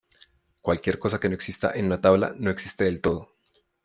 Cualquier cosa que no exista en una tabla no existe del todo.